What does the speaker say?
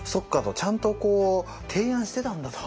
ちゃんと提案してたんだと。